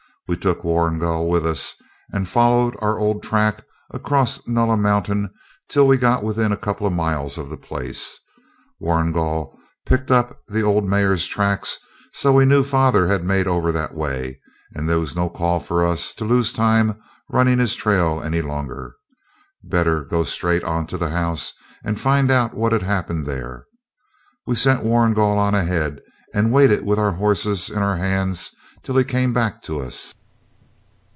We took Warrigal with us, and followed our old track across Nulla Mountain till we got within a couple of miles of the place. Warrigal picked up the old mare's tracks, so we knew father had made over that way, and there was no call for us to lose time running his trail any longer. Better go straight on to the house and find out what had happened there. We sent Warrigal on ahead, and waited with our horses in our hands till he come back to us.